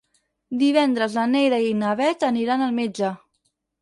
Divendres na Neida i na Bet aniran al metge.